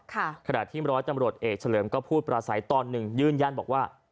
ขณะที่ร้อยตำรวจเอกเฉลิมก็พูดประสัยตอนหนึ่งยืนยันบอกว่า